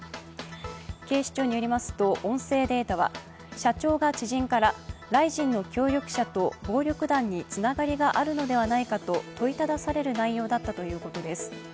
警視庁によりますと音声データは社長が知人からＲＩＺＩＮの協力者と暴力団につながりがあるのではないかと問いただされる内容だったということです。